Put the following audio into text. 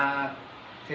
người ta vội đi